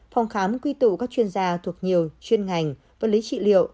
phòng khám quy tụ các chuyên gia thuộc nhiều chuyên ngành vật lý trị liệu